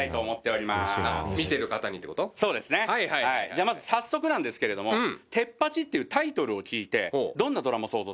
じゃあまず早速なんですけれども『テッパチ！』っていうタイトルを聞いてどんなドラマ想像しますか？